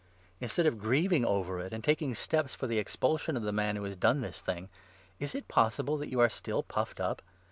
Instead 2 of grieving over it and taking steps for the expulsion of the man who has done this thing, is it possible that you are still puffed up